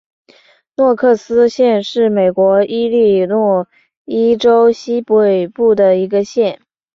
诺克斯县是美国伊利诺伊州西北部的一个县。